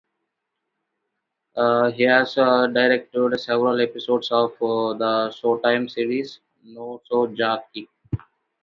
He has directed several episodes of the Showtime series "Nurse Jackie".